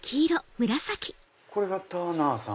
これがターナーさん。